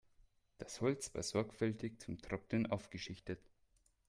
Das Holz war sorgfältig zum Trocknen aufgeschichtet.